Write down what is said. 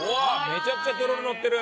めちゃくちゃとろろのってる！